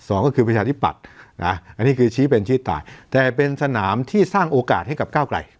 สองก็คือประชาธิปัตย์นะอันนี้คือชี้เป็นชี้ตายแต่เป็นสนามที่สร้างโอกาสให้กับก้าวไกล